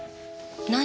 何？